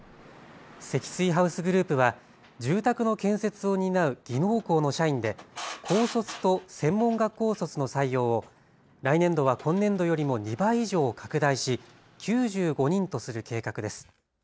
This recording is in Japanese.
積水ハウスグループは住宅の建設を担う技能工の社員で高卒と専門学校卒の採用を来年度は今年度よりも２倍以上拡大し９５人とする計画です。